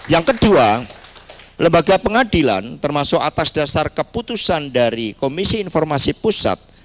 yang kedua lembaga pengadilan termasuk atas dasar keputusan dari komisi informasi pusat